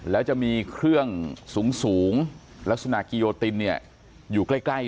แล้วจะมีเครื่องสูงลักษณะกิโยตินอยู่ใกล้